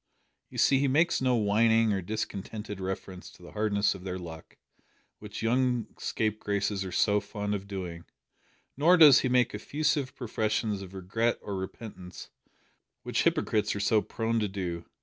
"You see he makes no whining or discontented reference to the hardness of their luck, which young scapegraces are so fond of doing; nor does he make effusive professions of regret or repentance, which hypocrites are so prone to do.